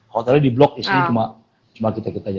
hotelnya di blok istrinya cuma kita kita aja